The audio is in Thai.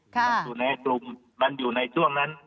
มันอยู่ในกลุ่มมันอยู่ในช่วงนั้น